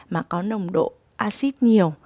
mà có nồng độ acid nhiều